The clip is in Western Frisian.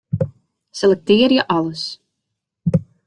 Selektearje alles.